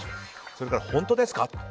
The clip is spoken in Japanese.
それから、本当ですか。